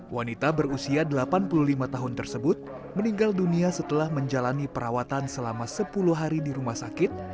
wanita berusia delapan puluh lima tahun tersebut meninggal dunia setelah menjalani perawatan selama sepuluh hari di rumah sakit